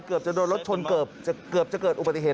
เกือบจะโดยรถชนเกือบก็เกือบจะเกิดอุบัติเหตุ